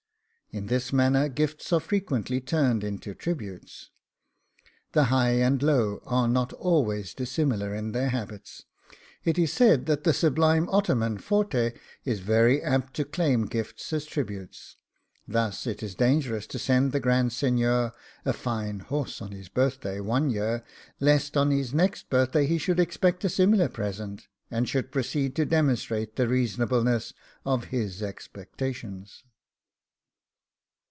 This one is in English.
In this manner gifts are frequently turned into tributes. The high and low are not always dissimilar in their habits. It is said, that the Sublime Ottoman Port is very apt to claim gifts as tributes: thus it is dangerous to send the Grand Seignor a fine horse on his birthday one year, lest on his next birthday he should expect a similar present, and should proceed to demonstrate the reasonableness of his expectations.